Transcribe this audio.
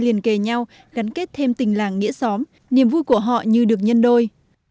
liền kề nhau gắn kết thêm tình làng nghĩa xóm niềm vui của họ như được nhân đôi